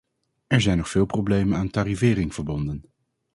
Er zijn nog veel problemen aan tarifering verbonden.